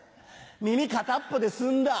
耳片っぽで済んだ。